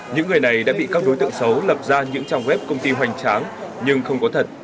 những người này đã bị các đối tượng xấu lập ra những trang web công ty hoành tráng nhưng không có thật